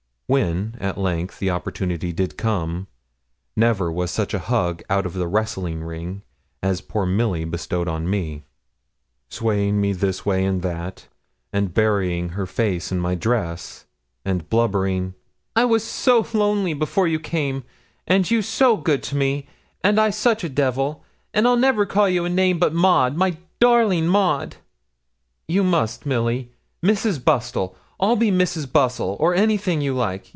When at length the opportunity did come, never was such a hug out of the wrestling ring as poor Milly bestowed on me, swaying me this way and that, and burying her face in my dress, and blubbering 'I was so lonely before you came, and you so good to me, and I such a devil; and I'll never call you a name, but Maud my darling Maud.' 'You must, Milly Mrs. Bustle. I'll be Mrs. Bustle, or anything you like.